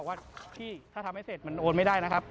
ว่าพี่ถ้าทำให้เสร็จมันโอนไม่ได้นะครับ